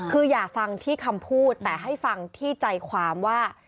คืออย่าฟังที่คำพูดแต่ให้ฟังที่ใจความว่า